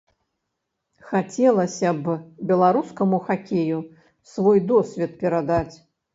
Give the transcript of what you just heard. Хацелася б беларускаму хакею свой досвед перадаць.